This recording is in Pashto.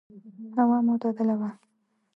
هوا معتدله وه.